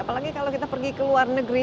apalagi kalau kita pergi ke luar negeri